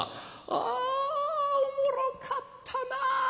「あおもろかったな。